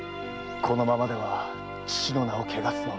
このままでは父の名を汚すのみ。